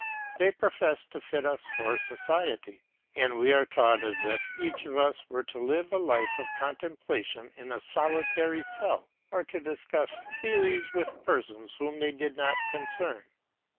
They profess to fit us for society, and we are taught as if each of us were to live a life of contemplation in a solitary cell, or to discuss theories with persons whom they did not concern.